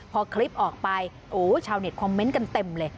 พอคลิปออกไปโอ้ชาวเน็ตคอมเมนต์กันเต็มเลย